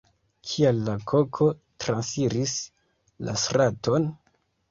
Kial la koko transiris la straton?